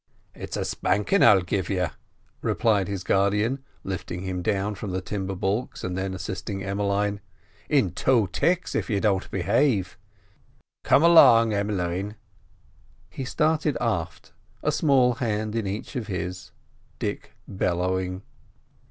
"It's a spankin' I'll give you," replied his guardian, lifting him down from the timber baulks, and then assisting Emmeline, "in two ticks if you don't behave. Come along, Em'line." He started aft, a small hand in each of his, Dick bellowing.